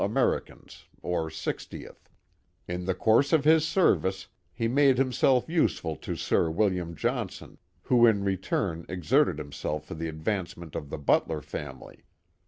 Ameri cans nr 60th, In the course of his service he made himself useful to Sir Willi.im Johnson, who in return exerted himself for the advance ment of the Butler family.